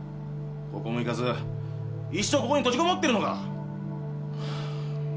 高校も行かず一生ここに閉じこもってるのか。